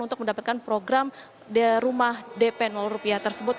untuk mendapatkan program rumah dp rupiah tersebut